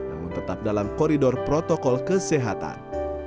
namun tetap dalam koridor protokol kesehatan